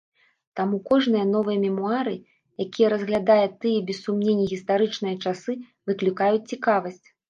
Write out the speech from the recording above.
Таму кожныя новыя мемуары, якія разглядае тыя без сумнення гістарычныя часы, выклікаюць цікавасць.